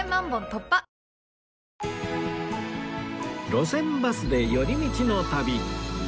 『路線バスで寄り道の旅』